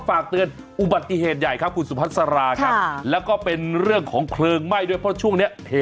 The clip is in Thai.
เคยเลือดกบปากมาก่อนเพราะว่า